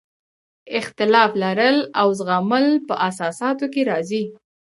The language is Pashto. اختلاف لرل او زغمل په اساساتو کې راځي.